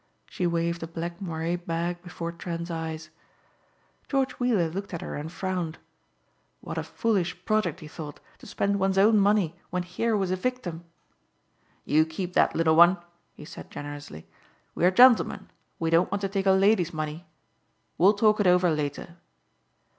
She waived a black moiré bag before Trent's eyes. George Weiller looked at her and frowned. What a foolish project, he thought, to spend one's own money when here was a victim. "You keep that, little one," he said generously. "We're gentlemen; we don't want to take a lady's money. We'll talk it over later."